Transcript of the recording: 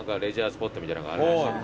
スポットみたいなのがあるらしい。